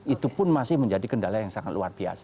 itu pun masih menjadi kendala yang sangat luar biasa